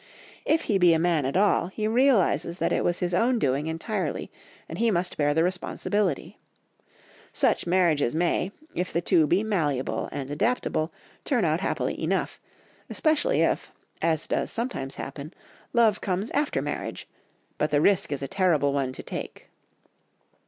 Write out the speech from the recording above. If he be a man at all, he realises that it was his own doing entirely, and he must bear the responsibility. Such marriages may, if the two be malleable and adaptable, turn out happily enough, especially if, as does sometimes happen, love comes after marriage, but the risk is a terrible one to take.